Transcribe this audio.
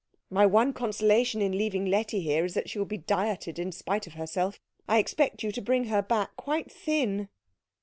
"My one consolation in leaving Letty here is that she will be dieted in spite of herself. I expect you to bring her back quite thin."